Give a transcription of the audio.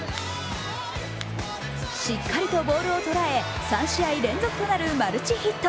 しっかりとボールを捉え、３試合連続となるマルチヒット。